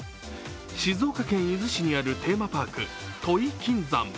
静岡県伊豆市にあるテーマパーク土肥金山。